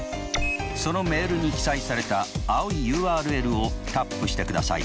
そのメールに記載された青いＵＲＬをタップしてください。